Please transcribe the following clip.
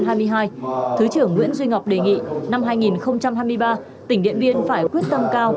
thứ trưởng nguyễn duy ngọc đề nghị năm hai nghìn hai mươi ba tỉnh điện biên phải quyết tâm cao